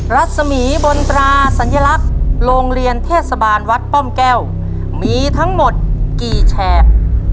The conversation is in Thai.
รัศมีร์บนตราสัญลักษณ์โรงเรียนเทศบาลวัดป้อมแก้วมีทั้งหมดกี่แฉก